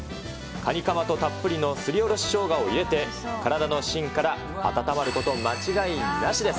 カニカマとたっぷりのすりおろししょうがを入れて、体の芯から温まること間違いなしです。